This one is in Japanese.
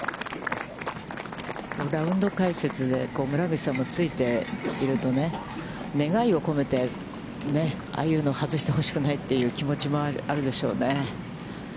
ラウンド解説で、村口さんもついているとね、願いを込めて、ああいうのを外してほしくないという気持ちもあるでしょうね。